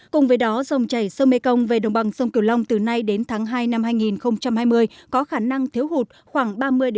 cùng với đó dòng chảy sông mekong về đồng bằng sông kiểu long từ nay đến tháng hai năm hai nghìn hai mươi có khả năng thiếu hụt khoảng ba mươi bốn mươi năm